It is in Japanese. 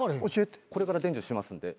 これから伝授しますんで。